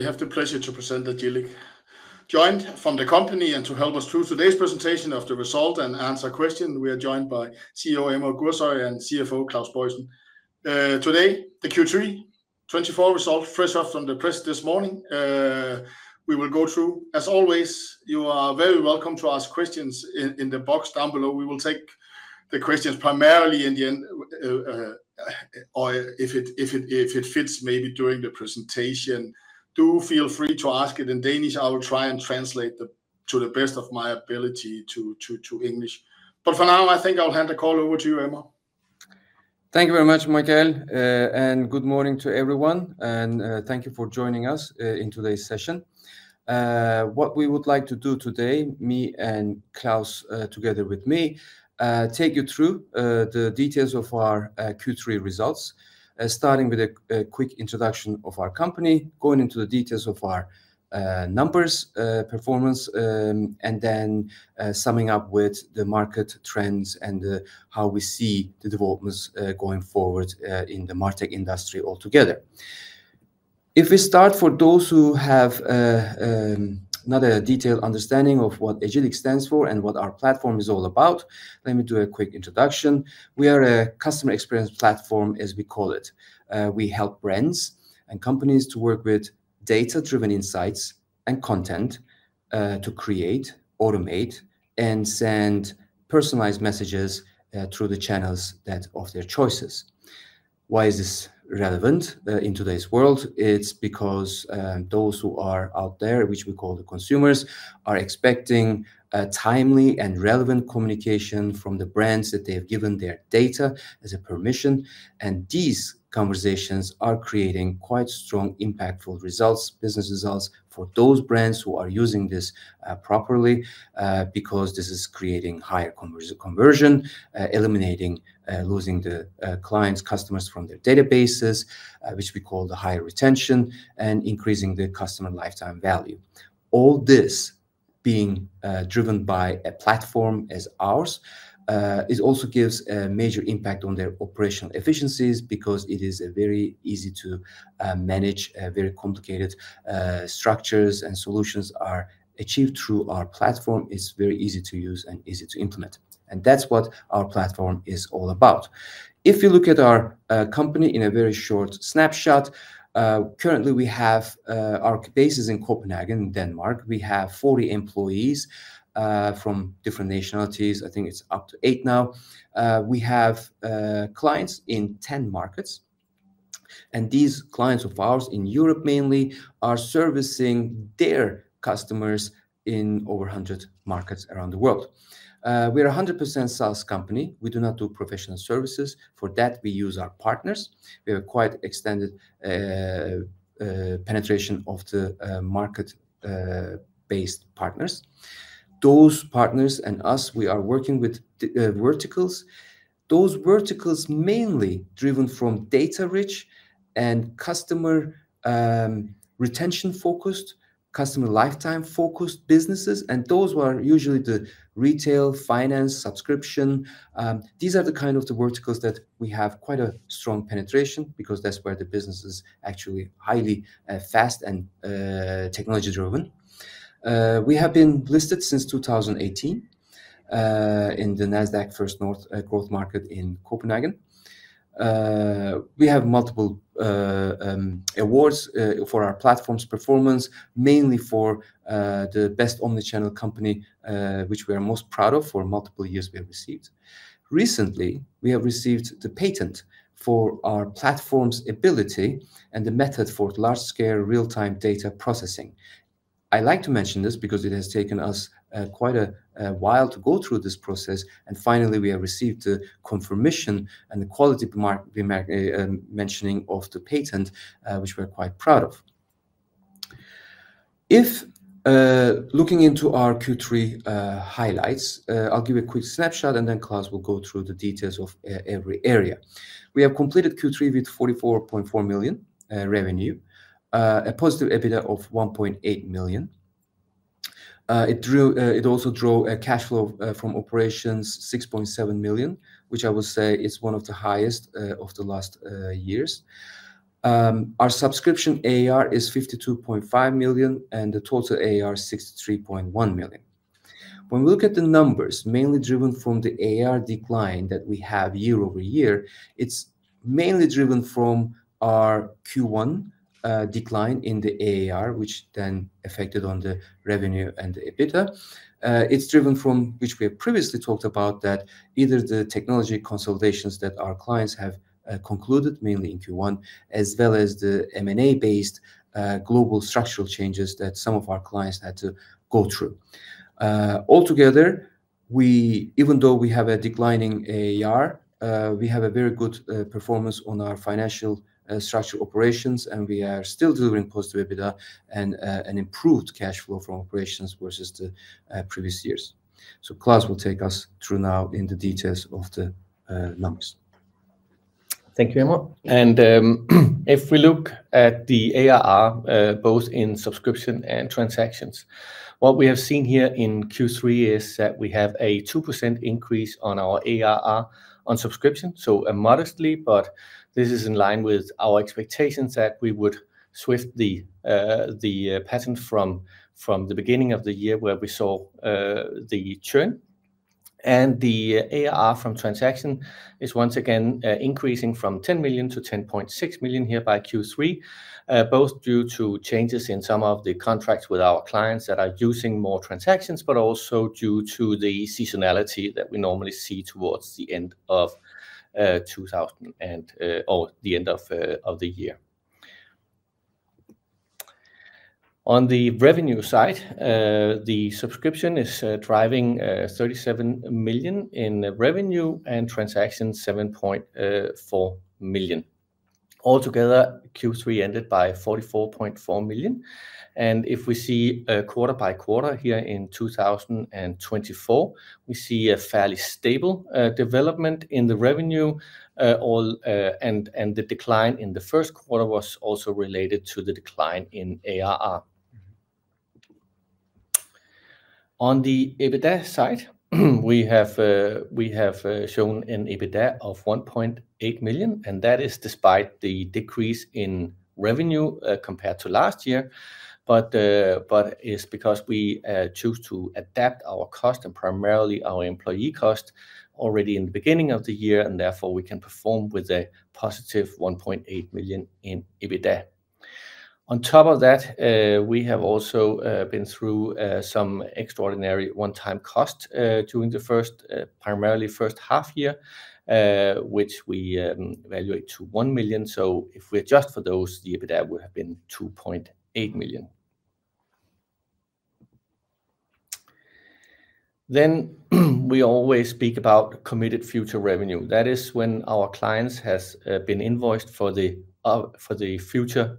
We have the pleasure to present the Agillic team from the company and to help us through today's presentation of the result and answer questions. We are joined by CEO Emre Gürsoy and CFO Claus Boysen. Today, the Q3 2024 result, fresh off the press this morning. We will go through, as always. You are very welcome to ask questions in the box down below. We will take the questions primarily at the end, or if it fits maybe during the presentation. Do feel free to ask it in Danish. I will try and translate to the best of my ability to English. But for now, I think I'll hand the call over to you, Emre. Thank you very much, Michael, and good morning to everyone. Thank you for joining us in today's session. What we would like to do today, me and Claus together with me, take you through the details of our Q3 results, starting with a quick introduction of our company, going into the details of our numbers, performance, and then summing up with the market trends and how we see the developments going forward in the martech industry altogether. If we start for those who have not a detailed understanding of what Agillic stands for and what our platform is all about, let me do a quick introduction. We are a customer experience platform, as we call it. We help brands and companies to work with data-driven insights and content to create, automate, and send personalized messages through the channels of their choices. Why is this relevant in today's world? It's because those who are out there, which we call the consumers, are expecting timely and relevant communication from the brands that they have given their data as a permission. And these conversations are creating quite strong, impactful business results for those brands who are using this properly because this is creating higher conversion, eliminating losing the clients, customers from their databases, which we call the high retention, and increasing the customer lifetime value. All this being driven by a platform as ours also gives a major impact on their operational efficiencies because it is very easy to manage very complicated structures and solutions are achieved through our platform. It's very easy to use and easy to implement. And that's what our platform is all about. If you look at our company in a very short snapshot, currently we have our bases in Copenhagen, Denmark. We have 40 employees from different nationalities. I think it's up to eight now. We have clients in 10 markets. And these clients of ours in Europe mainly are servicing their customers in over 100 markets around the world. We are a 100% SaaS company. We do not do professional services. For that, we use our partners. We have quite extended penetration of the market-based partners. Those partners and us, we are working with verticals. Those verticals mainly driven from data-rich and customer retention-focused, customer lifetime-focused businesses. And those are usually the retail, finance, subscription. These are the kind of verticals that we have quite a strong penetration because that's where the business is actually highly fast and technology-driven. We have been listed since 2018 in the Nasdaq First North Growth Market in Copenhagen. We have multiple awards for our platform's performance, mainly for the best omnichannel company, which we are most proud of for multiple years we have received. Recently, we have received the patent for our platform's ability and the method for large-scale real-time data processing. I like to mention this because it has taken us quite a while to go through this process, and finally, we have received the confirmation and the quality mentioning of the patent, which we are quite proud of. If looking into our Q3 highlights, I'll give you a quick snapshot and then Claus will go through the details of every area. We have completed Q3 with 44.4 million revenue, a positive EBITDA of 1.8 million. It also drove a cash flow from operations of 6.7 million, which I would say is one of the highest of the last years. Our subscription ARR is 52.5 million and the total ARR is 63.1 million. When we look at the numbers, mainly driven from the ARR decline that we have year-over-year, it's mainly driven from our Q1 decline in the ARR, which then affected on the revenue and the EBITDA. It's driven from which we have previously talked about that either the technology consolidations that our clients have concluded mainly in Q1, as well as the M&A-based global structural changes that some of our clients had to go through. Altogether, even though we have a declining ARR, we have a very good performance on our financial structure operations and we are still delivering positive EBITDA and an improved cash flow from operations versus the previous years. So Claus will take us through now in the details of the numbers. Thank you, Emre. If we look at the ARR both in subscription and transactions, what we have seen here in Q3 is that we have a 2% increase on our ARR on subscription, so modestly, but this is in line with our expectations that we would shift the pattern from the beginning of the year where we saw the churn. And the ARR from transactions is once again increasing from 10 million-10.6 million here by Q3, both due to changes in some of the contracts with our clients that are using more transactions, but also due to the seasonality that we normally see towards the end of the quarter and the end of the year. On the revenue side, the subscription is driving 37 million in revenue and transactions 7.4 million. Altogether, Q3 ended by 44.4 million. And if we see quarter-by-quarter here in 2024, we see a fairly stable development in the revenue, and the decline in the first quarter was also related to the decline in ARR. On the EBITDA side, we have shown an EBITDA of 1.8 million, and that is despite the decrease in revenue compared to last year, but it's because we chose to adapt our cost and primarily our employee cost already in the beginning of the year, and therefore we can perform with a positive 1.8 million in EBITDA. On top of that, we have also been through some extraordinary one-time cost during the primarily first half year, which we evaluate to 1 million. So if we adjust for those, the EBITDA would have been 2.8 million. Then we always speak about committed future revenue. That is when our clients have been invoiced for the future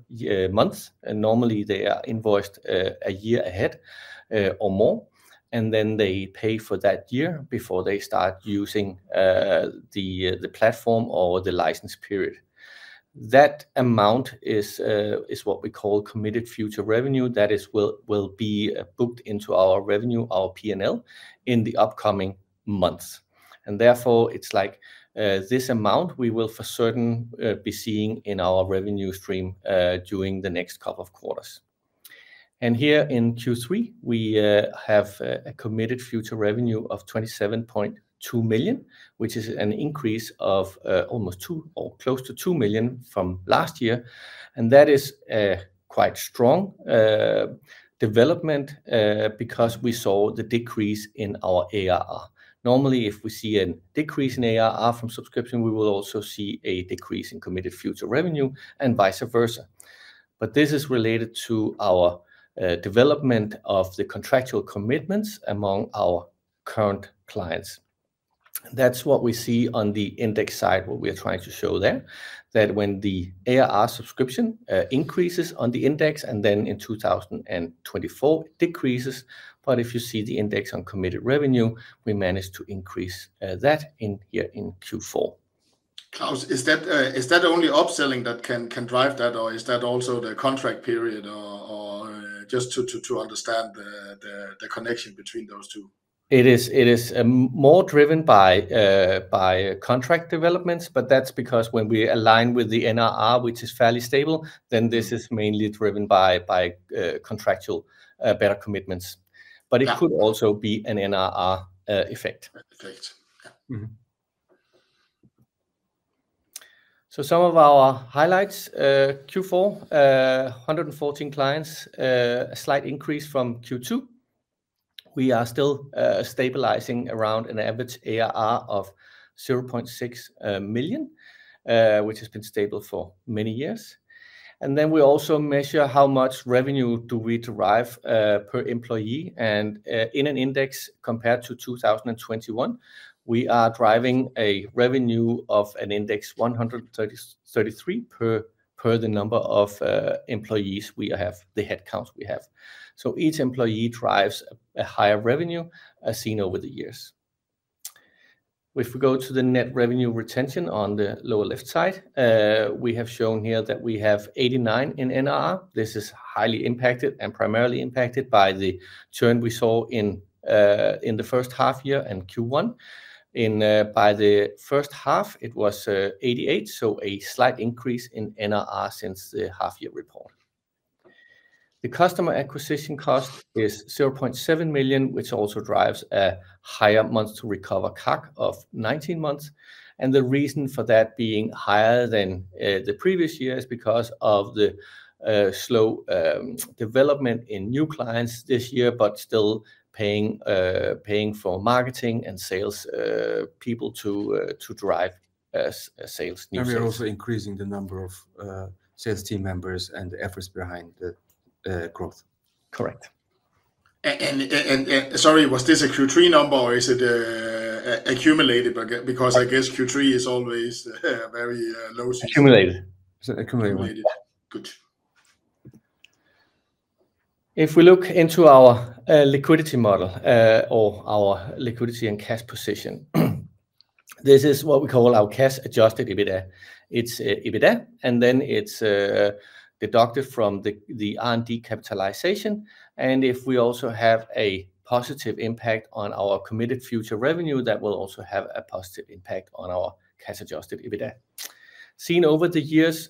months. Normally they are invoiced a year ahead or more, and then they pay for that year before they start using the platform or the license period. That amount is what we call committed future revenue. That is will be booked into our revenue, our P&L in the upcoming months. And therefore it's like this amount we will for certain be seeing in our revenue stream during the next couple of quarters. And here in Q3, we have a committed future revenue of 27.2 million, which is an increase of almost close to 2 million from last year. And that is quite strong development because we saw the decrease in our ARR. Normally, if we see a decrease in ARR from subscription, we will also see a decrease in committed future revenue and vice versa. But this is related to our development of the contractual commitments among our current clients. That's what we see on the index side, what we are trying to show there, that when the ARR subscription increases on the index and then in 2024 it decreases. But if you see the index on committed revenue, we managed to increase that here in Q4. Claus, is that only upselling that can drive that, or is that also the contract period or just to understand the connection between those two? It is more driven by contract developments, but that's because when we align with the NRR, which is fairly stable, then this is mainly driven by contractual better commitments. But it could also be an NRR effect. Effect. Some of our highlights Q4, 114 clients, a slight increase from Q2. We are still stabilizing around an average ARR of 600,000, which has been stable for many years. Then we also measure how much revenue do we derive per employee. And in an index compared to 2021, we are driving a revenue of an index 133 per the number of employees we have, the headcount we have. Each employee drives a higher revenue seen over the years. If we go to the net revenue retention on the lower left side, we have shown here that we have 89% in NRR. This is highly impacted and primarily impacted by the churn we saw in the first half year and Q1. By the first half, it was 88%, so a slight increase in NRR since the half year report. The customer acquisition cost is 0.7 million, which also drives a higher month-to-recover CAC of 19 months, and the reason for that being higher than the previous year is because of the slow development in new clients this year, but still paying for marketing and sales people to drive new sales. We're also increasing the number of sales team members and efforts behind the growth. Correct. Sorry, was this a Q3 number or is it accumulated? Because I guess Q3 is always very low. Accumulated. Accumulated. Accumulated. Good. If we look into our liquidity model or our liquidity and cash position, this is what we call our Cash Adjusted EBITDA. It's EBITDA, and then it's deducted from the R&D capitalization, and if we also have a positive impact on our Committed Future Revenue, that will also have a positive impact on our Cash Adjusted EBITDA. Seen over the years,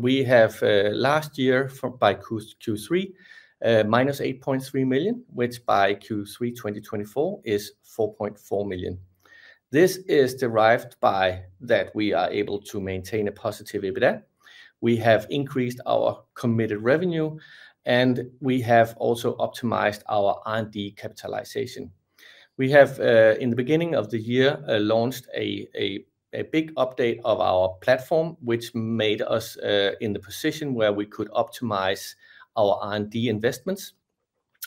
we have last year by Q3, -8.3 million, which by Q3 2024 is 4.4 million. This is derived by that we are able to maintain a positive EBITDA. We have increased our committed revenue, and we have also optimized our R&D capitalization. We have, in the beginning of the year, launched a big update of our platform, which made us in the position where we could optimize our R&D investments,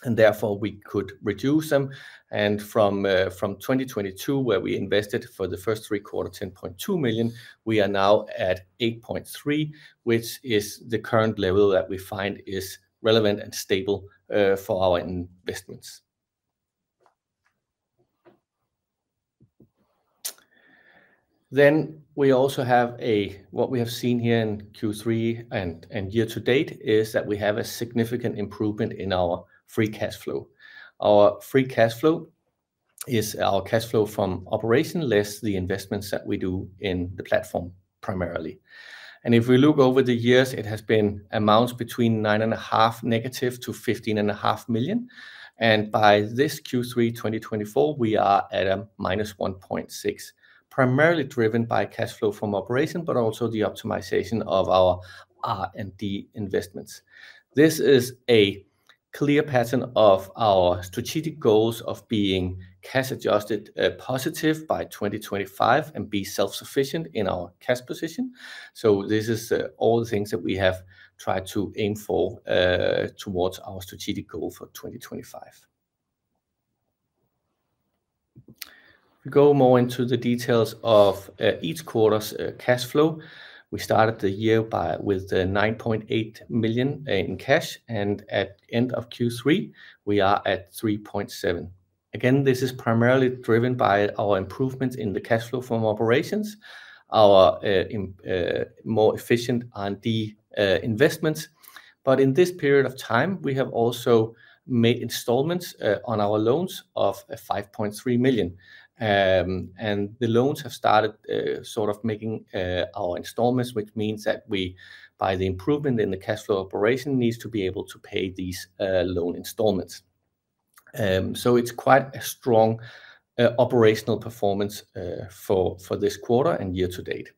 and therefore we could reduce them. And from 2022, where we invested for the first three quarters 10.2 million, we are now at 8.3 million, which is the current level that we find is relevant and stable for our investments. Then we also have what we have seen here in Q3 and year to date is that we have a significant improvement in our free cash flow. Our free cash flow is our cash flow from operation less the investments that we do in the platform primarily. And if we look over the years, it has been amounts between -9.5 million to -15.5 million. And by this Q3 2024, we are at -1.6 million, primarily driven by cash flow from operation, but also the optimization of our R&D investments. This is a clear pattern of our strategic goals of being cash adjusted positive by 2025 and be self-sufficient in our cash position, so this is all the things that we have tried to aim for towards our strategic goal for 2025. If we go more into the details of each quarter's cash flow, we started the year with 9.8 million in cash, and at the end of Q3, we are at 3.7 million. Again, this is primarily driven by our improvements in the cash flow from operations, our more efficient R&D investments, but in this period of time, we have also made installments on our loans of 5.3 million, and the loans have started sort of making our installments, which means that we, by the improvement in the cash flow operation, need to be able to pay these loan installments. It's quite a strong operational performance for this quarter and year to date.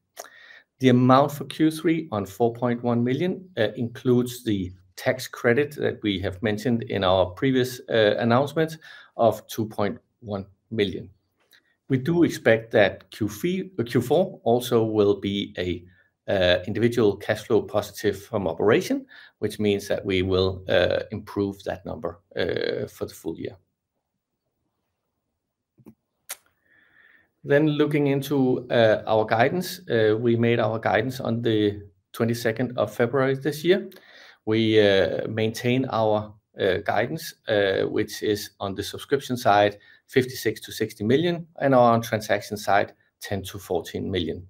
The amount for Q3 of 4.1 million includes the tax credit that we have mentioned in our previous announcement of 2.1 million. We do expect that Q4 also will be an individual cash flow positive from operation, which means that we will improve that number for the full year. Then looking into our guidance, we made our guidance on the 22nd of February this year. We maintain our guidance, which is on the subscription side, 56-60 million, and our transaction side, 10-14 million.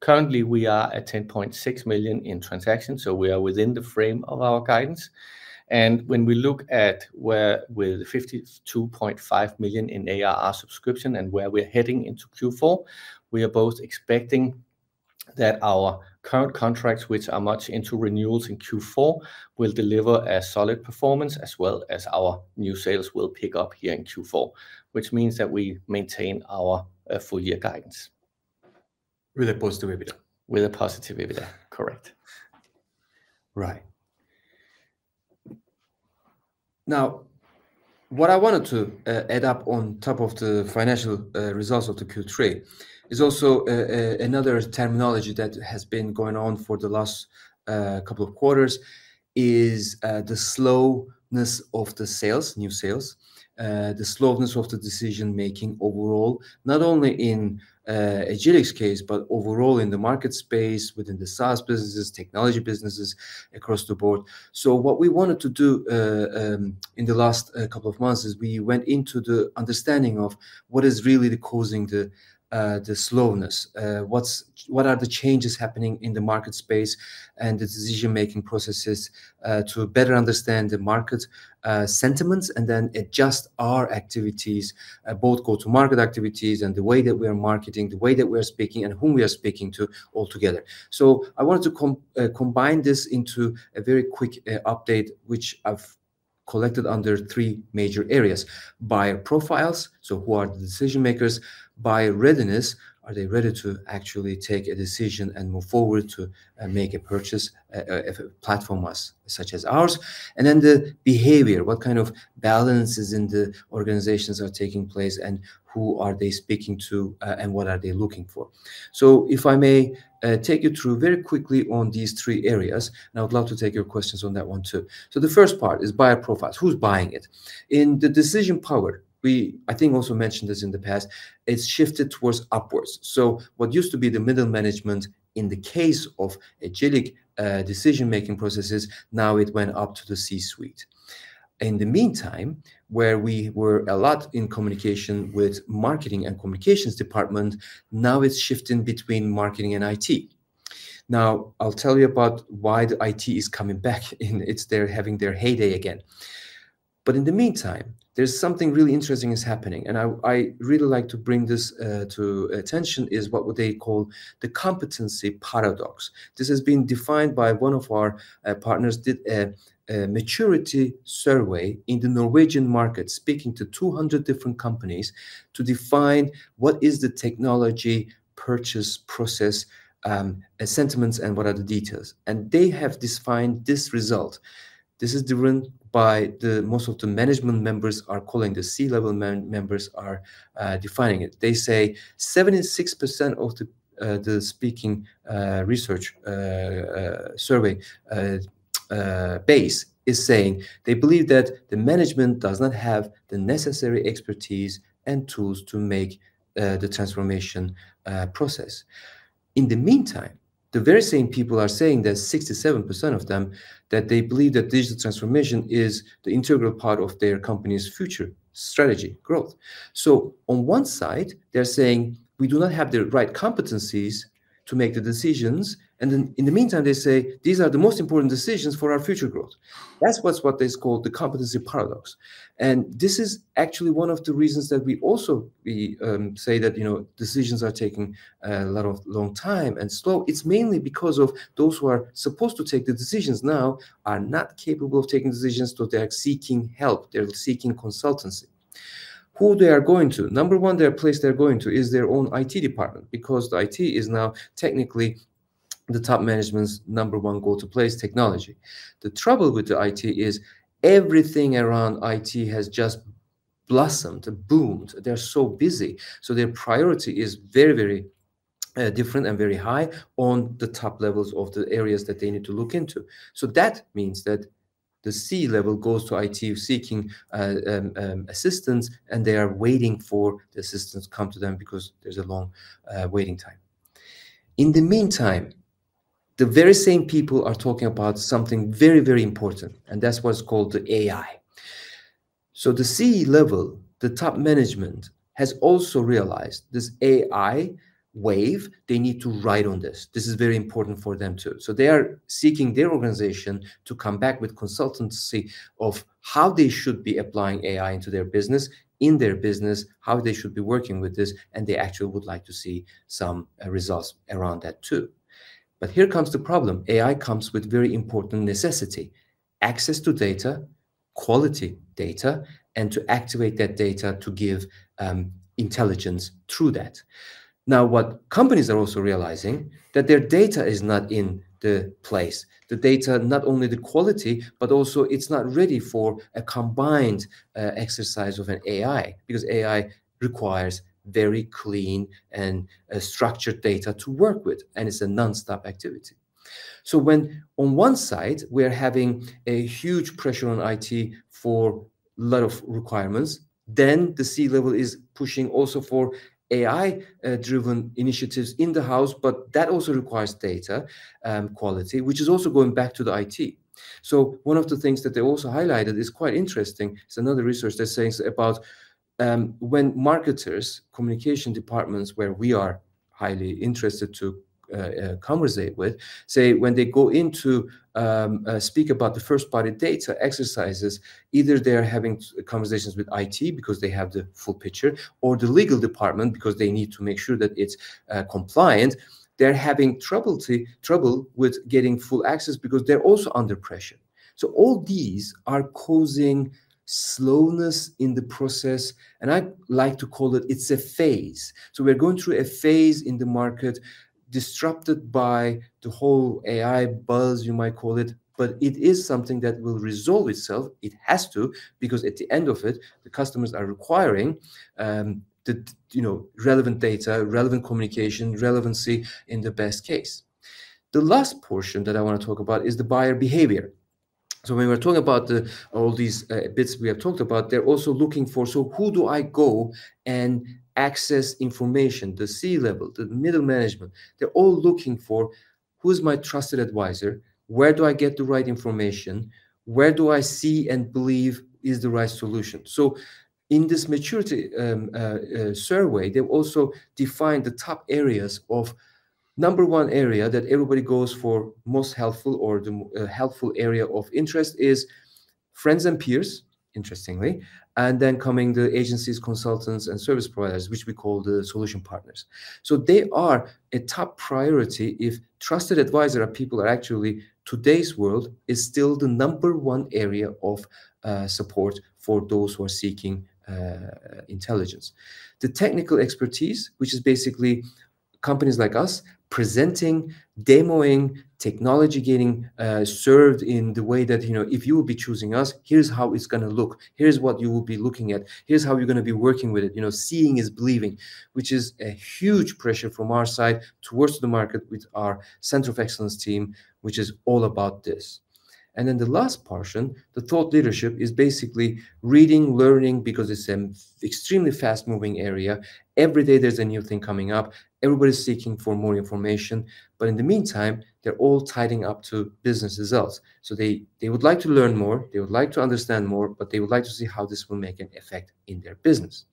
Currently, we are at 10.6 million in transactions, so we are within the frame of our guidance. And when we look at where we are with 52.5 million in ARR subscription and where we're heading into Q4, we are both expecting that our current contracts, which are much into renewals in Q4, will deliver a solid performance as well as our new sales will pick up here in Q4, which means that we maintain our full year guidance. With a positive EBITDA. With a positive EBITDA, correct. Right. Now, what I wanted to add up on top of the financial results of the Q3 is also another terminology that has been going on for the last couple of quarters is the slowness of the sales, new sales, the slowness of the decision making overall, not only in Agillic's case, but overall in the market space, within the SaaS businesses, technology businesses across the board. So what we wanted to do in the last couple of months is we went into the understanding of what is really causing the slowness, what are the changes happening in the market space and the decision making processes to better understand the market sentiments and then adjust our activities, both go-to-market activities and the way that we are marketing, the way that we are speaking and whom we are speaking to altogether. I wanted to combine this into a very quick update, which I've collected under three major areas: buyer profiles, so who are the decision makers, buyer readiness, are they ready to actually take a decision and move forward to make a purchase of a platform such as ours, and then the behavior, what kind of balances in the organizations are taking place and who are they speaking to and what are they looking for. If I may take you through very quickly on these three areas, and I would love to take your questions on that one too. The first part is buyer profiles, who's buying it? In the decision power, I think I also mentioned this in the past, it's shifted upwards. What used to be the middle management in the case of Agillic decision making processes, now it went up to the C-suite. In the meantime, where we were a lot in communication with marketing and communications department, now it's shifting between marketing and IT. Now, I'll tell you about why the IT is coming back and it's there having their heyday again. But in the meantime, there's something really interesting is happening. And I really like to bring this to attention is what they call the Competency Paradox. This has been defined by one of our partners, did a maturity survey in the Norwegian market, speaking to 200 different companies to define what is the technology purchase process sentiments and what are the details. And they have defined this result. This is driven by most of the management members are calling the C-level members are defining it. They say 76% of the speaking research survey base is saying they believe that the management does not have the necessary expertise and tools to make the transformation process. In the meantime, the very same people are saying that 67% of them that they believe that digital transformation is the integral part of their company's future strategy growth, so on one side, they're saying we do not have the right competencies to make the decisions, and then in the meantime, they say these are the most important decisions for our future growth. That's what they call the Competency Paradox, and this is actually one of the reasons that we also say that decisions are taking a lot of long time and slow. It's mainly because of those who are supposed to take the decisions now are not capable of taking decisions, so they're seeking help. They're seeking consultancy. Who they are going to? Number one, the place they're going to is their own IT department because the IT is now technically the top management's number one go-to-place technology. The trouble with the IT is everything around IT has just blossomed and boomed. They're so busy. So their priority is very, very different and very high on the top levels of the areas that they need to look into. So that means that the C-level goes to IT seeking assistance, and they are waiting for the assistance to come to them because there's a long waiting time. In the meantime, the very same people are talking about something very, very important, and that's what's called the AI. So the C-level, the top management has also realized this AI wave. They need to ride on this. This is very important for them too. So they are seeking their organization to come back with consultancy of how they should be applying AI into their business, in their business, how they should be working with this, and they actually would like to see some results around that too. But here comes the problem. AI comes with very important necessity: access to data, quality data, and to activate that data to give intelligence through that. Now, what companies are also realizing is that their data is not in the place. The data, not only the quality, but also it's not ready for a combined exercise of an AI because AI requires very clean and structured data to work with, and it's a nonstop activity. So when on one side we are having a huge pressure on IT for a lot of requirements, then the C-level is pushing also for AI-driven initiatives in-house, but that also requires data quality, which is also going back to IT. One of the things that they also highlighted is quite interesting. It's another research they're saying about when marketers, communication departments where we are highly interested to converse with, say when they go in to speak about the first-party data exercises, either they're having conversations with IT because they have the full picture or the legal department because they need to make sure that it's compliant. They're having trouble with getting full access because they're also under pressure. All these are causing slowness in the process, and I like to call it it's a phase. We're going through a phase in the market disrupted by the whole AI buzz, you might call it, but it is something that will resolve itself. It has to because at the end of it, the customers are requiring relevant data, relevant communication, relevancy in the best case. The last portion that I want to talk about is the buyer behavior. So when we're talking about all these bits we have talked about, they're also looking for, so who do I go and access information, the C-level, the middle management? They're all looking for, who's my trusted advisor? Where do I get the right information? Where do I see and believe is the right solution? So in this maturity survey, they've also defined the top areas of number one area that everybody goes for most helpful or the helpful area of interest is friends and peers, interestingly, and then coming the agencies, consultants, and service providers, which we call the solution partners. So they are a top priority if trusted advisor of people are actually today's world is still the number one area of support for those who are seeking intelligence. The technical expertise, which is basically companies like us presenting, demoing, technology getting served in the way that if you will be choosing us, here's how it's going to look. Here's what you will be looking at. Here's how you're going to be working with it. Seeing is believing, which is a huge pressure from our side towards the market with our Center of Excellence team, which is all about this. And then the last portion, the thought leadership, is basically reading, learning because it's an extremely fast-moving area. Every day there's a new thing coming up. Everybody's seeking for more information. But in the meantime, they're all tying up to business results. So they would like to learn more. They would like to understand more, but they would like to see how this will make an effect in their business.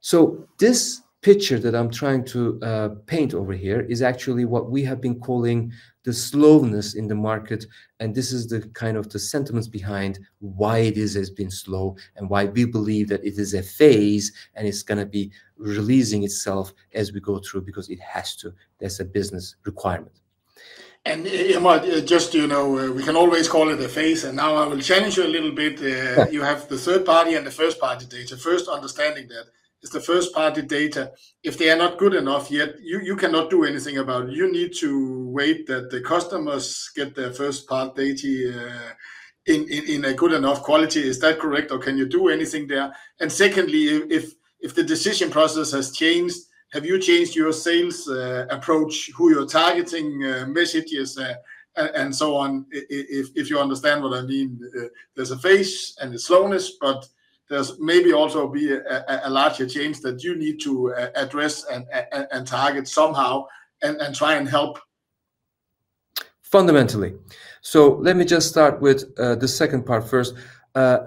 So this picture that I'm trying to paint over here is actually what we have been calling the slowness in the market. And this is the kind of sentiments behind why it has been slow and why we believe that it is a phase and it's going to be releasing itself as we go through because it has to. That's a business requirement. Just so you know, we can always call it a phase. Now I will challenge you a little bit. You have the third-party and the first-party data. First, understanding that it's the first-party data. If they are not good enough yet, you cannot do anything about it. You need to wait that the customers get their first-party data in a good enough quality. Is that correct? Or can you do anything there? Secondly, if the decision process has changed, have you changed your sales approach, who you're targeting, messages, and so on? If you understand what I mean, there's a phase and a slowness, but there's maybe also be a larger change that you need to address and target somehow and try and help. Fundamentally. So let me just start with the second part first.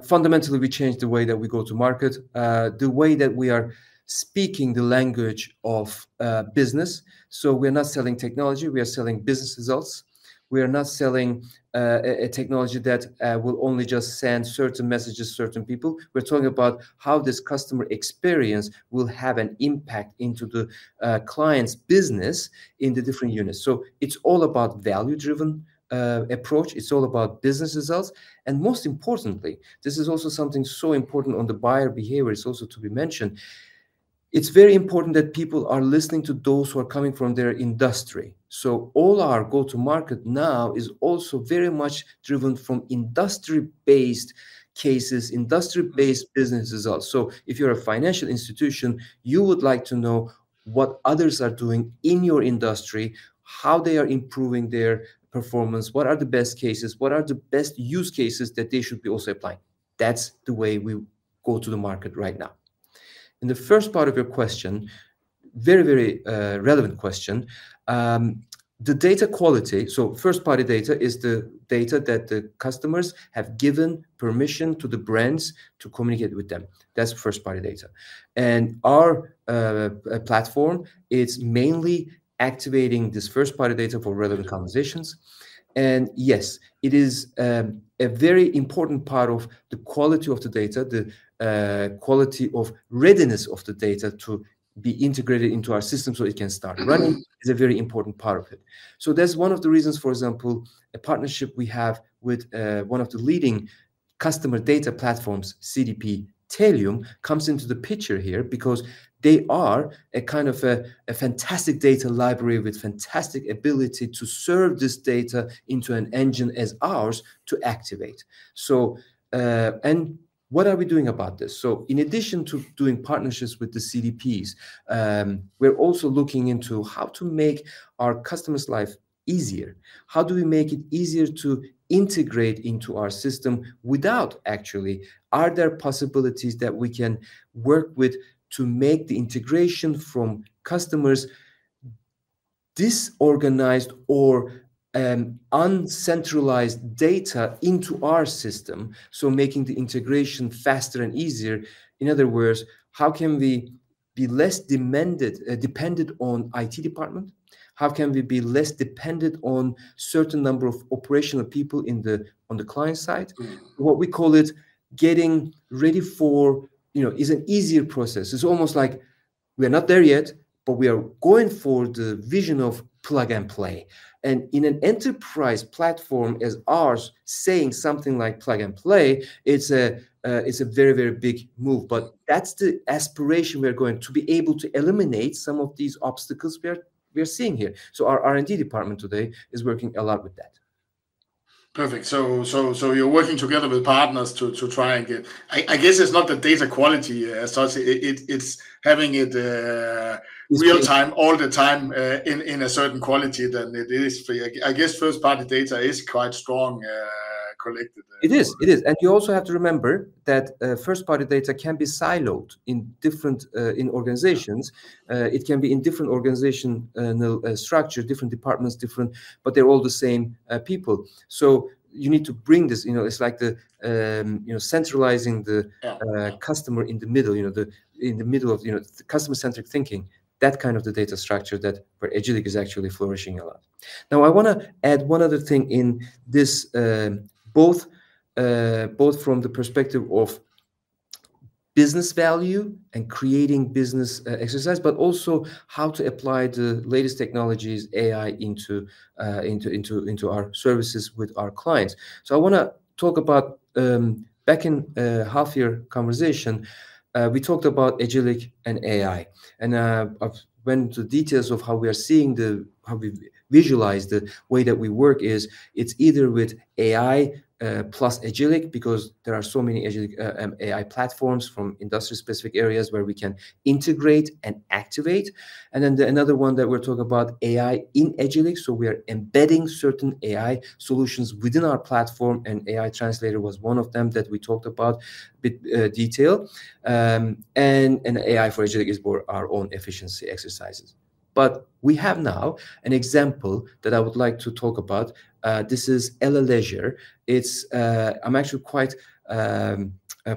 Fundamentally, we changed the way that we go to market, the way that we are speaking the language of business. So we're not selling technology. We are selling business results. We are not selling a technology that will only just send certain messages to certain people. We're talking about how this customer experience will have an impact into the client's business in the different units. So it's all about value-driven approach. It's all about business results. And most importantly, this is also something so important on the buyer behavior. It's also to be mentioned. It's very important that people are listening to those who are coming from their industry. So all our go-to-market now is also very much driven from industry-based cases, industry-based business results. So if you're a financial institution, you would like to know what others are doing in your industry, how they are improving their performance, what are the best cases, what are the best use cases that they should be also applying. That's the way we go to the market right now. In the first part of your question, very, very relevant question, the data quality. So first-party data is the data that the customers have given permission to the brands to communicate with them. That's first-party data. And our platform is mainly activating this first-party data for relevant conversations. And yes, it is a very important part of the quality of the data, the quality of readiness of the data to be integrated into our system so it can start running. It's a very important part of it. So that's one of the reasons, for example, a partnership we have with one of the leading customer data platforms, Tealium, comes into the picture here because they are a kind of a fantastic data library with fantastic ability to serve this data into an engine as ours to activate. And what are we doing about this? So in addition to doing partnerships with the CDPs, we're also looking into how to make our customer's life easier. How do we make it easier to integrate into our system without actually are there possibilities that we can work with to make the integration from customers' disorganized or uncentralized data into our system? So making the integration faster and easier. In other words, how can we be less dependent on the IT department? How can we be less dependent on a certain number of operational people on the client side? What we call it getting ready for is an easier process. It's almost like we're not there yet, but we are going for the vision of plug and play. And in an enterprise platform as ours, saying something like plug and play, it's a very, very big move. But that's the aspiration we're going to be able to eliminate some of these obstacles we are seeing here. So our R&D department today is working a lot with that. Perfect, so you're working together with partners to try and get. I guess it's not the data quality as such. It's having it real-time, all the time in a certain quality than it is. I guess first-party data is quite strong collected. It is. It is. And you also have to remember that first-party data can be siloed in different organizations. It can be in different organizational structures, different departments, but they're all the same people. So you need to bring this. It's like centralizing the customer in the middle, in the middle of customer-centric thinking. That kind of the data structure that where Agillic is actually flourishing a lot. Now, I want to add one other thing in this, both from the perspective of business value and creating business exercise, but also how to apply the latest technologies, AI, into our services with our clients. So I want to talk about, back in half-year conversation, we talked about Agillic and AI. When the details of how we visualize the way that we work, it's either with AI plus Agillic because there are so many Agillic AI platforms from industry-specific areas where we can integrate and activate. Another one that we're talking about is AI in Agillic. We are embedding certain AI solutions within our platform, and AI Translator was one of them that we talked about with detail. AI for Agillic is for our own efficiency exercises. We have now an example that I would like to talk about. This is Aller Leisure. I'm actually quite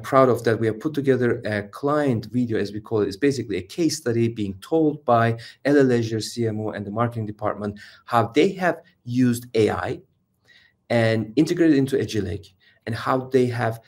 proud of that we have put together a client video, as we call it. It's basically a case study being told by Aller Leisure, CMO, and the marketing department, how they have used AI and integrated into Agillic and how they have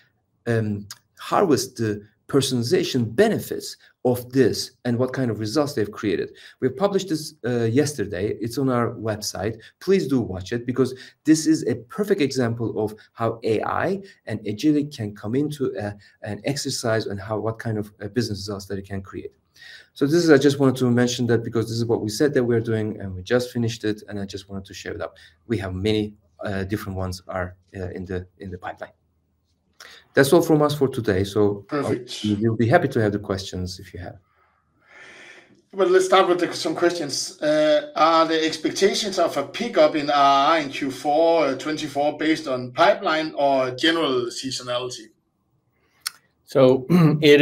harvested the personalization benefits of this and what kind of results they've created. We published this yesterday. It's on our website. Please do watch it because this is a perfect example of how AI and Agillic can come into an exercise and what kind of business results that it can create. So this is I just wanted to mention that because this is what we said that we're doing and we just finished it, and I just wanted to share it up. We have many different ones in the pipeline. That's all from us for today. So we'll be happy to have the questions if you have. But let's start with some questions. Are the expectations of a pickup in ARR Q4 2024 based on pipeline or general seasonality? It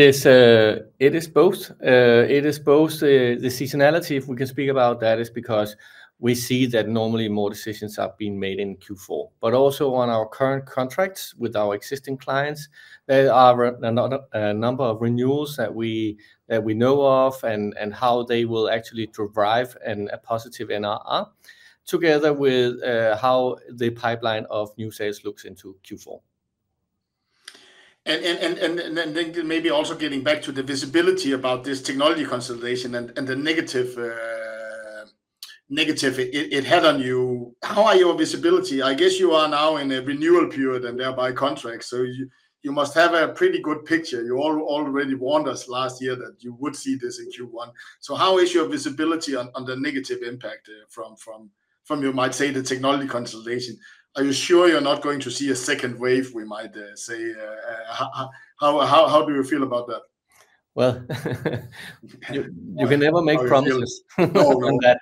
is both. It is both the seasonality. If we can speak about that, it's because we see that normally more decisions are being made in Q4. But also on our current contracts with our existing clients, there are a number of renewals that we know of and how they will actually derive a positive in our ARR together with how the pipeline of new sales looks into Q4. And then maybe also getting back to the visibility about this technology consolidation and the negative it had on you. How are your visibility? I guess you are now in a renewal period and thereby contracts. So you must have a pretty good picture. You all already warned us last year that you would see this in Q1. So how is your visibility on the negative impact from, you might say, the technology consolidation? Are you sure you're not going to see a second wave, we might say? How do you feel about that? You can never make promises on that.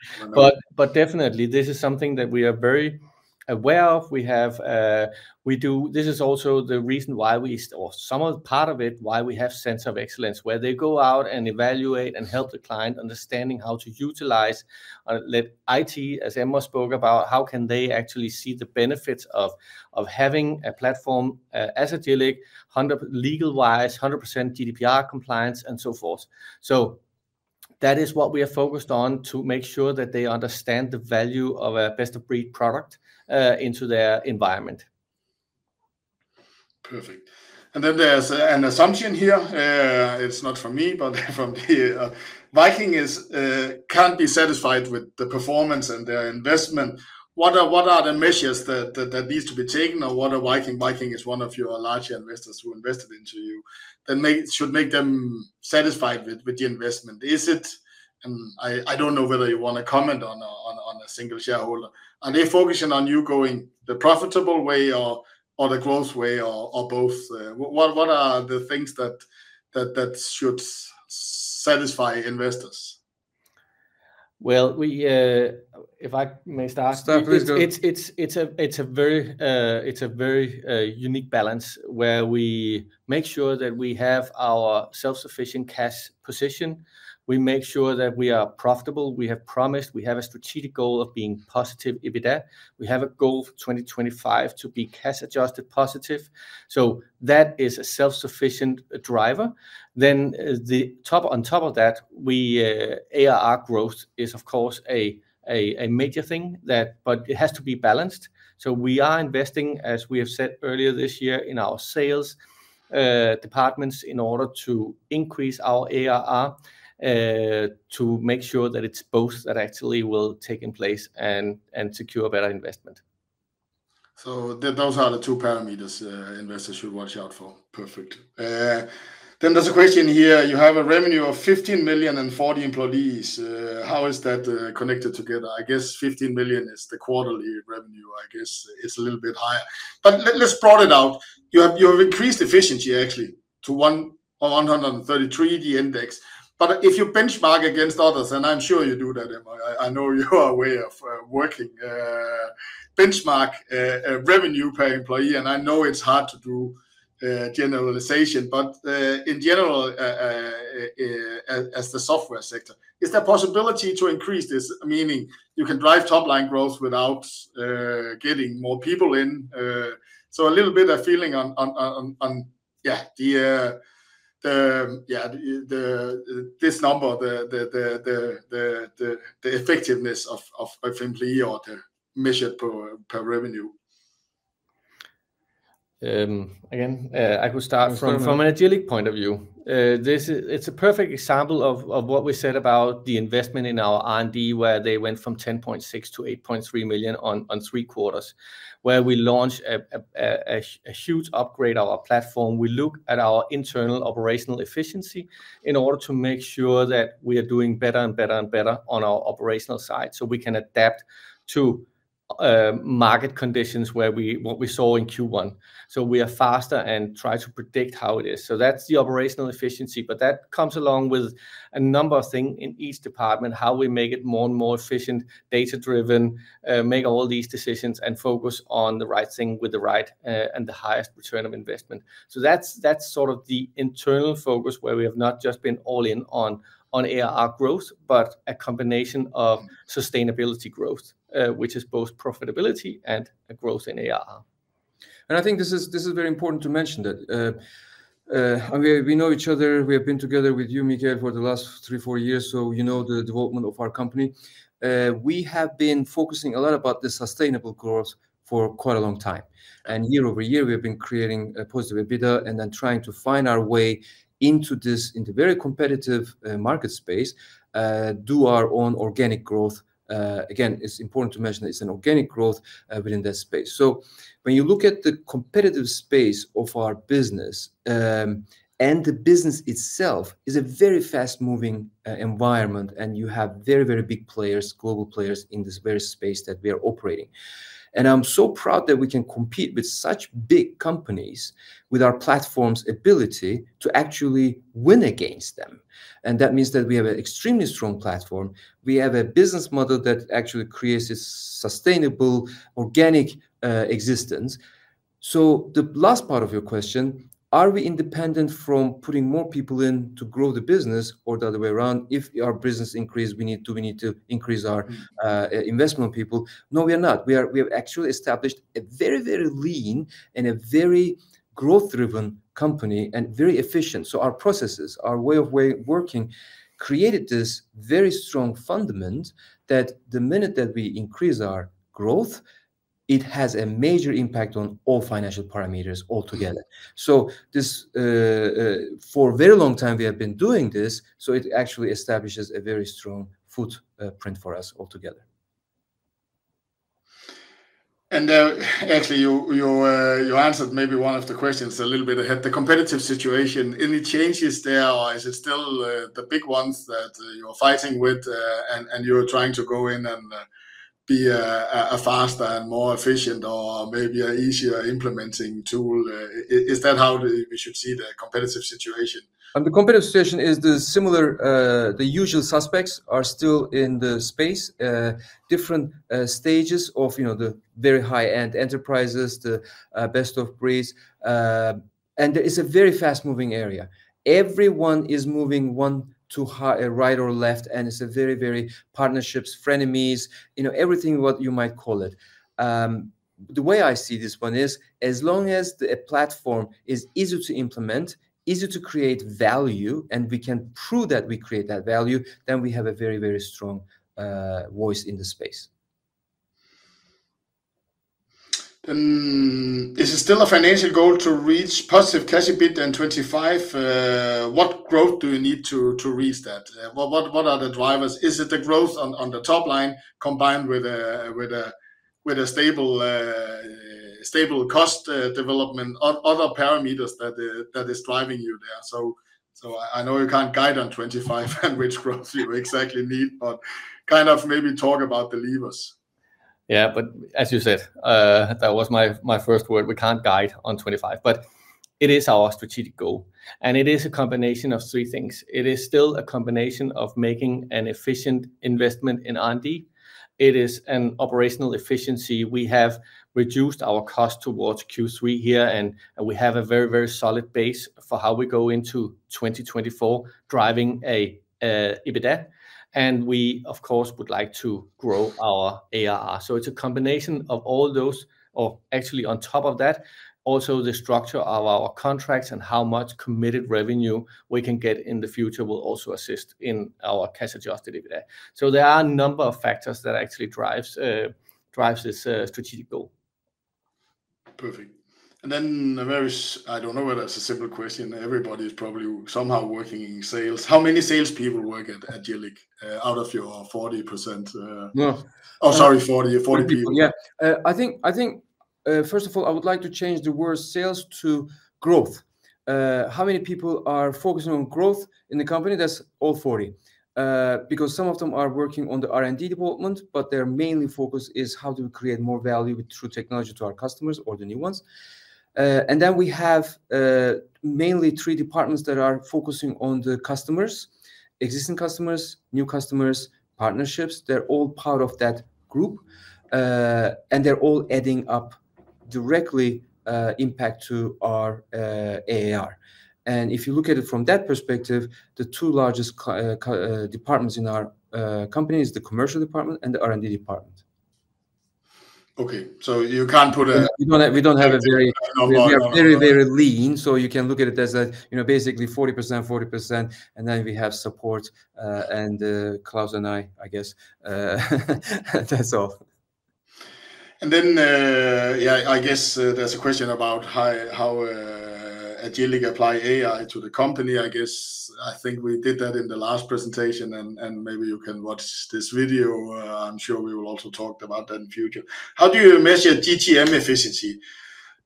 But definitely, this is something that we are very aware of. This is also the reason why we or some part of it why we have Center of Excellence, where they go out and evaluate and help the client understanding how to utilize and let IT, as Emre spoke about, how can they actually see the benefits of having a platform as Agillic, legal-wise, 100% GDPR compliance, and so forth. That is what we are focused on to make sure that they understand the value of a best-of-breed product into their environment. Perfect. And then there's an assumption here. It's not from me, but from the Viking can't be satisfied with the performance and their investment. What are the measures that need to be taken or what is Viking? Viking is one of your larger investors who invested into you that should make them satisfied with the investment. And I don't know whether you want to comment on a single shareholder. Are they focusing on you going the profitable way or the growth way or both? What are the things that should satisfy investors? If I may start. Start. Please do. It's a very unique balance where we make sure that we have our self-sufficient cash position. We make sure that we are profitable. We have promised. We have a strategic goal of being positive EBITDA. We have a goal for 2025 to be cash-adjusted positive. So that is a self-sufficient driver. Then on top of that, ARR growth is, of course, a major thing, but it has to be balanced. So we are investing, as we have said earlier this year, in our sales departments in order to increase our ARR to make sure that it's both that actually will take in place and secure better investment. Those are the two parameters investors should watch out for. Perfect. Then there's a question here. You have a revenue of 15 million and 40 employees. How is that connected together? I guess 15 million is the quarterly revenue. I guess it's a little bit higher. But let's broaden it out. You have increased efficiency, actually, to 133 in the index. But if you benchmark against others, and I'm sure you do that, Emre, I know you are aware of working benchmark revenue per employee, and I know it's hard to do generalization, but in general, as the software sector, is there a possibility to increase this? Meaning you can drive top-line growth without getting more people in? So a little bit of feeling on, yeah, this number, the effectiveness of employee or the measured per revenue. Again, I could start from an Agillic point of view. It's a perfect example of what we said about the investment in our R&D, where they went from 10.6 to 8.3 million over three quarters, where we launched a huge upgrade of our platform. We look at our internal operational efficiency in order to make sure that we are doing better and better and better on our operational side so we can adapt to market conditions where we saw in Q1. So we are faster and try to predict how it is. So that's the operational efficiency. But that comes along with a number of things in each department, how we make it more and more efficient, data-driven, make all these decisions, and focus on the right thing with the right and the highest return of investment. So that's sort of the internal focus where we have not just been all in on ARR growth, but a combination of sustainability growth, which is both profitability and growth in ARR. And I think this is very important to mention that we know each other. We have been together with you, Michael, for the last three, four years. So you know the development of our company. We have been focusing a lot about the sustainable growth for quite a long time. And year-over-year, we have been creating a positive EBITDA and then trying to find our way into this in the very competitive market space, do our own organic growth. Again, it's important to mention that it's an organic growth within that space. So when you look at the competitive space of our business and the business itself is a very fast-moving environment, and you have very, very big players, global players in this very space that we are operating. And I'm so proud that we can compete with such big companies with our platform's ability to actually win against them. And that means that we have an extremely strong platform. We have a business model that actually creates its sustainable organic existence. So the last part of your question, are we independent from putting more people in to grow the business or the other way around? If our business increases, do we need to increase our investment of people? No, we are not. We have actually established a very, very lean and a very growth-driven company and very efficient. So our processes, our way of working created this very strong fundament that the minute that we increase our growth, it has a major impact on all financial parameters altogether. So for a very long time, we have been doing this. So it actually establishes a very strong footprint for us altogether. And actually, you answered maybe one of the questions a little bit ahead, the competitive situation. Any changes there? Or is it still the big ones that you're fighting with and you're trying to go in and be a faster and more efficient or maybe an easier implementing tool? Is that how we should see the competitive situation? The competitive situation is similar. The usual suspects are still in the space, different stages of the very high-end enterprises, the best-of-breed, and it's a very fast-moving area. Everyone is moving one to right or left, and it's a very, very partnerships, frenemies, everything what you might call it. The way I see this one is as long as the platform is easy to implement, easy to create value, and we can prove that we create that value, then we have a very, very strong voice in the space. Is it still a financial goal to reach positive cash EBITDA in 2025? What growth do you need to reach that? What are the drivers? Is it the growth on the top line combined with a stable cost development, other parameters that is driving you there? So I know you can't guide on 2025 and which growth you exactly need, but kind of maybe talk about the levers. Yeah, but as you said, that was my first word. We can't guide on 2025, but it is our strategic goal. And it is a combination of three things. It is still a combination of making an efficient investment in R&D. It is an operational efficiency. We have reduced our cost towards Q3 here, and we have a very, very solid base for how we go into 2024 driving an EBITDA. And we, of course, would like to grow our ARR. So it's a combination of all those, or actually on top of that, also the structure of our contracts and how much committed revenue we can get in the future will also assist in our cash-adjusted EBITDA. So there are a number of factors that actually drive this strategic goal. Perfect. And then I don't know whether it's a simple question. Everybody is probably somehow working in sales. How many salespeople work at Agillic out of your 40%? Oh, sorry, 40 people. Yeah. I think, first of all, I would like to change the word sales to growth. How many people are focusing on growth in the company? That's all 40 because some of them are working on the R&D department, but their main focus is how do we create more value through technology to our customers or the new ones. And then we have mainly three departments that are focusing on the customers, existing customers, new customers, partnerships. They're all part of that group, and they're all adding up directly impact to our ARR. And if you look at it from that perspective, the two largest departments in our company are the commercial department and the R&D department. Okay, so you can't put a. We are very, very lean, so you can look at it as basically 40%, 40%, and then we have support and Claus and I, I guess. That's all. And then, yeah, I guess there's a question about how Agillic apply ARR to the company. I guess I think we did that in the last presentation, and maybe you can watch this video. I'm sure we will also talk about that in the future. How do you measure GTM efficiency?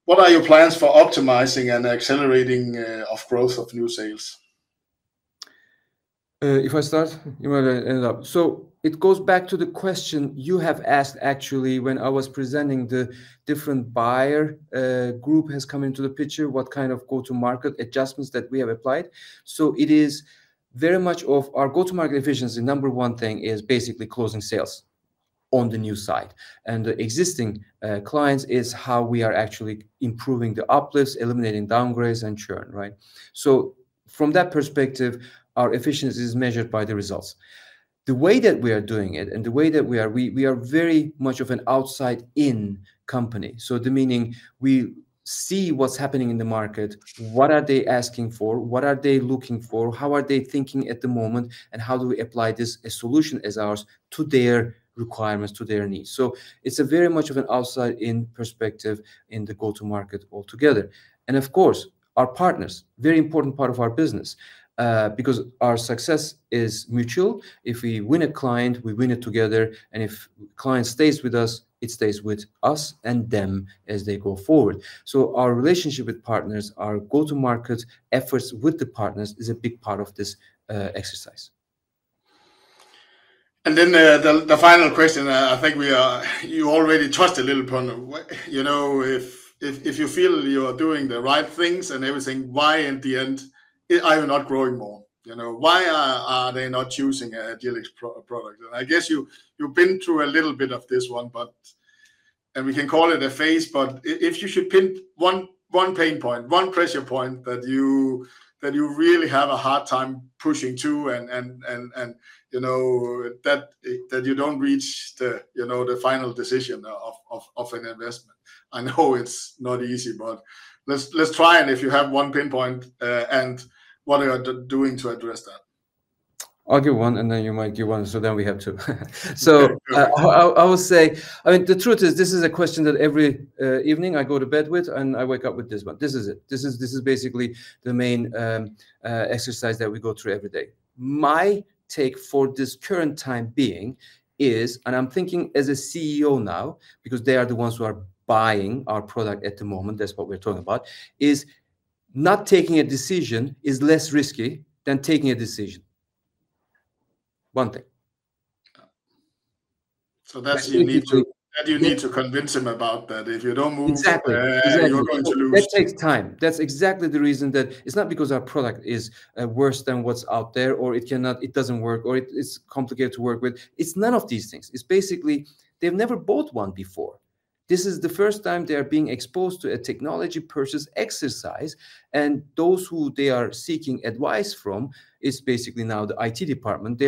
What are your plans for optimizing and accelerating growth of new sales? If I start, you might end up, so it goes back to the question you have asked, actually, when I was presenting the different buyer group has come into the picture, what kind of go-to-market adjustments that we have applied, so it is very much of our go-to-market efficiency. Number one thing is basically closing sales on the new side and the existing clients is how we are actually improving the uplifts, eliminating downgrades and churn, right, so from that perspective, our efficiency is measured by the results. The way that we are doing it and the way that we are, we are very much of an outside-in company. So the meaning we see what's happening in the market, what are they asking for, what are they looking for, how are they thinking at the moment, and how do we apply this solution as ours to their requirements, to their needs? So it's very much of an outside-in perspective in the go-to-market altogether. And of course, our partners, very important part of our business because our success is mutual. If we win a client, we win it together. And if a client stays with us, it stays with us and them as they go forward. So our relationship with partners, our go-to-market efforts with the partners is a big part of this exercise. Then the final question, I think you already touched a little bit on it. If you feel you are doing the right things and everything, why in the end are you not growing more? Why are they not choosing Agillic's product? I guess you've been through a little bit of this one, and we can call it a phase, but if you should pin one pain point, one pressure point that you really have a hard time pushing to and that you don't reach the final decision of an investment, I know it's not easy, but let's try, and if you have one pinpoint and what are you doing to address that? I'll give one, and then you might give one, so then we have two. So I will say, I mean, the truth is this is a question that every evening I go to bed with, and I wake up with this. But this is it. This is basically the main exercise that we go through every day. My take for this current time being is, and I'm thinking as a CEO now because they are the ones who are buying our product at the moment, that's what we're talking about, is not taking a decision is less risky than taking a decision. One thing. So that you need to convince them about that. If you don't move, you're going to lose. Exactly. That takes time. That's exactly the reason that it's not because our product is worse than what's out there or it doesn't work or it's complicated to work with. It's none of these things. It's basically they've never bought one before. This is the first time they are being exposed to a technology purchase exercise. And those who they are seeking advice from is basically now the IT department.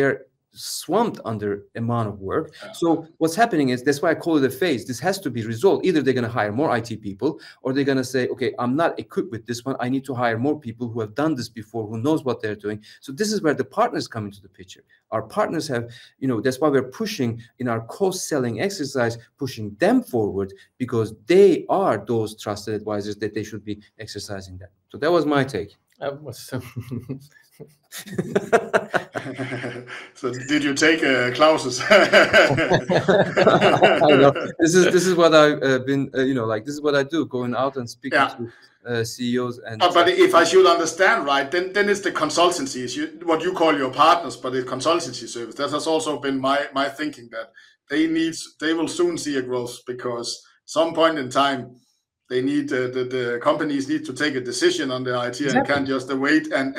They're swamped under amount of work. So what's happening is that's why I call it a phase. This has to be resolved. Either they're going to hire more IT people or they're going to say, "Okay, I'm not equipped with this one. I need to hire more people who have done this before, who knows what they're doing." So this is where the partners come into the picture. Our partners have. That's why we're pushing in our co-selling exercise, pushing them forward because they are those trusted advisors that they should be exercising that, so that was my take. So did you take Claus's? This is what I've been like. This is what I do, going out and speaking to CEOs and. But if I should understand right, then it's the consultancy, what you call your partners, but the consultancy service. That has also been my thinking that they will soon see a growth because at some point in time, the companies need to take a decision on the IT and can't just wait, and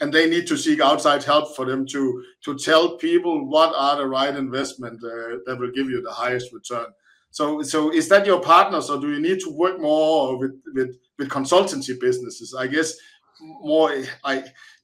they need to seek outside help for them to tell people what are the right investments that will give you the highest return, so is that your partners or do you need to work more with consultancy businesses? I guess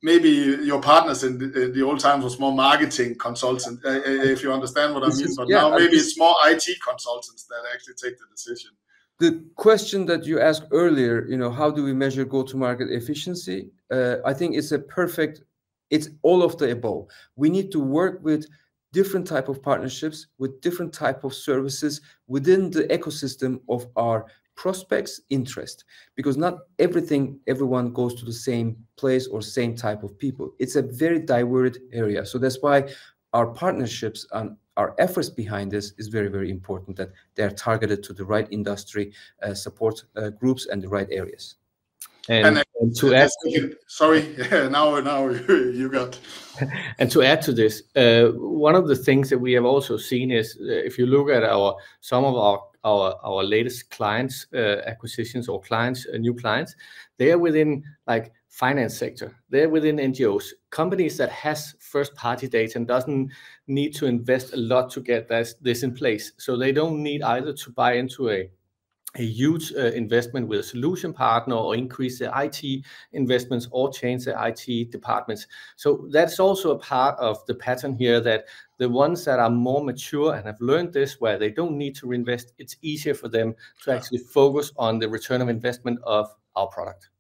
maybe your partners in the old times was more marketing consultants, if you understand what I mean, but now maybe it's more IT consultants that actually take the decision. The question that you asked earlier, how do we measure go-to-market efficiency? I think it's perfect. It's all of the above. We need to work with different types of partnerships with different types of services within the ecosystem of our prospects' interest because not everything, everyone goes to the same place or same type of people. It's a very diverse area. So that's why our partnerships and our efforts behind this is very, very important that they're targeted to the right industry support groups and the right areas. And to add to. Sorry. Now you got. And to add to this, one of the things that we have also seen is if you look at some of our latest clients' acquisitions or clients, new clients, they are within finance sector. They're within NGOs, companies that have first-party data and don't need to invest a lot to get this in place. So they don't need either to buy into a huge investment with a solution partner or increase their IT investments or change their IT departments. So that's also a part of the pattern here that the ones that are more mature and have learned this where they don't need to reinvest, it's easier for them to actually focus on the return on investment of our product.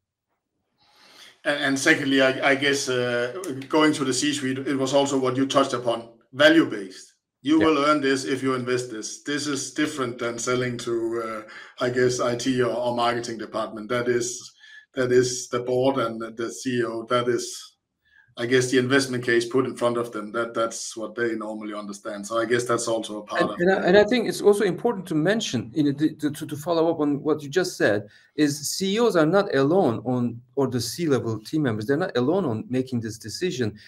Secondly, I guess going through the C-suite, it was also what you touched upon, value-based. You will earn this if you invest this. This is different than selling to, I guess, IT or marketing department. That is the board and the CEO. That is, I guess, the investment case put in front of them. That's what they normally understand. I guess that's also a part of it. I think it's also important to mention, to follow up on what you just said, that CEOs are not alone, nor the C-level team members. They're not alone in making this decision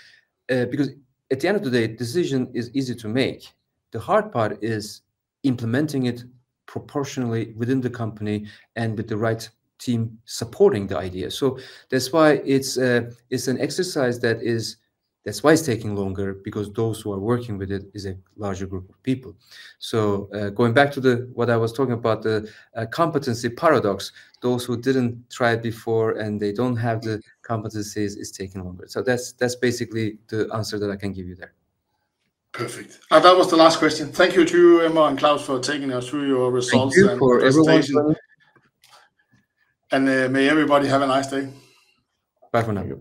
because at the end of the day, the decision is easy to make. The hard part is implementing it proportionally within the company and with the right team supporting the idea. That's why it's an exercise that's taking longer because those who are working with it are a larger group of people. So going back to what I was talking about, the Competency Paradox, those who didn't try it before and they don't have the competencies are taking longer. So that's basically the answer that I can give you there. Perfect. That was the last question. Thank you to you and Claus for taking us through your results. Thank you for everyone. May everybody have a nice day. Bye for now.